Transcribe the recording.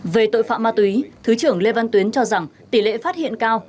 về tội phạm ma túy thứ trưởng lê văn tuyến cho rằng tỷ lệ phát hiện cao